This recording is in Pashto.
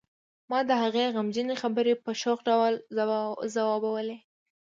ما د هغې غمجنې خبرې په شوخ ډول ځوابولې